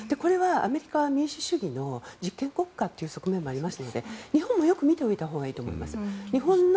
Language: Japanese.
アメリカは民主主義の実験国家という側面もありますので日本は、よく見てみたほうがいいと思います。